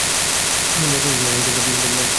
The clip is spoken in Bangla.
বদমায়েশী ছাড়া কিছুই পারিস না!